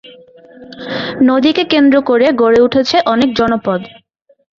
নদীকে কেন্দ্র করে গড়ে উঠেছে অনেক জনপদ।